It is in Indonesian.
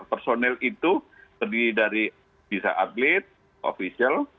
personel itu terdiri dari bisa atlet ofisial